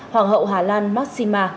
hoàng hậu hà lan maxima